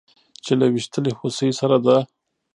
چې له ويشتلې هوسۍ سره د